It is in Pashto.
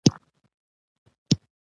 له دې پېښې څخه څو کاله په تېزۍ تېر شول